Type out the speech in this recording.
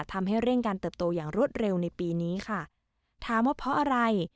ทำให้เร่งการเติบโตอย่างรวดเร็วในปีนี้ค่ะถามว่าเพราะอะไร